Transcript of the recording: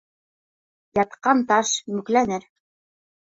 Ятҡан таш мүкләнер.